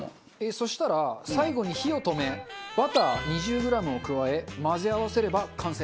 そしたら最後に火を止めバター２０グラムを加え混ぜ合わせれば完成。